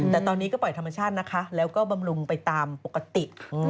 แต่ตอนนี้ก็ปล่อยธรรมชาตินะคะแล้วก็บำรุงไปตามปกติ